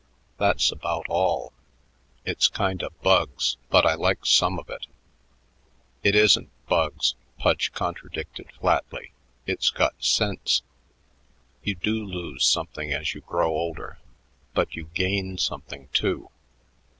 That's about all. It's kinda bugs, but I like some of it." "It isn't bugs," Pudge contradicted flatly; "it's got sense. You do lose something as you grow older, but you gain something, too.